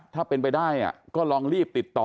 ถ้าเป็นไปได้ก็ลองรีบติดต่อ